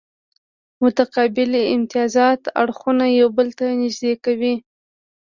متقابل امتیازات اړخونه یو بل ته نږدې کوي